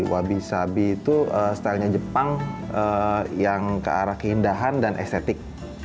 wabi sabi itu stylenya jepang yang ke arah keindahan dan estetik